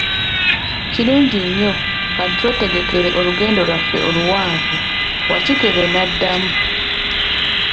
Kirungi nnyo, kati twetegekere olugendo Iwaffe oluwanvu, Wakikere n'addamu.